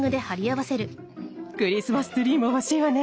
クリスマスツリーも欲しいわね。